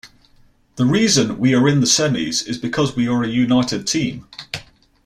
The reason we are in the semis is because we are a united team.